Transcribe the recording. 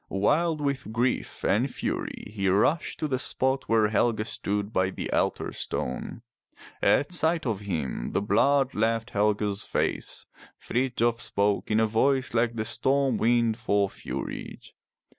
Wild with grief and fury he rushed to the spot where Helge stood by the altar stone. At sight of him the blood left Helge's face. Frithjof spoke in a voice like the storm wind for fury.